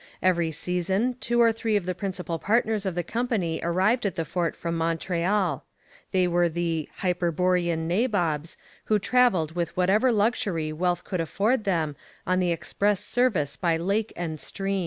Every season two or three of the principal partners of the company arrived at the fort from Montreal. They were 'hyperborean nabobs,' who travelled with whatever luxury wealth could afford them on the express service by lake and stream.